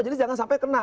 jadi jangan sampai kena